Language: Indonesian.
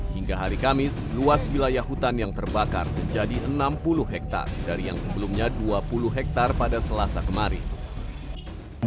hingga hari kamis luas wilayah hutan yang terbakar menjadi enam puluh hektare dari yang sebelumnya dua puluh hektare pada selasa kemarin